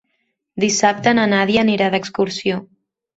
Dissabte na Nàdia anirà d'excursió.